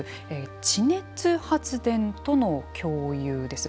地熱発電との共有です。